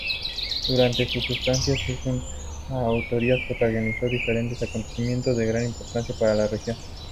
Durante su estancia en Asturias protagonizó diferentes acontecimientos de gran importancia para la región.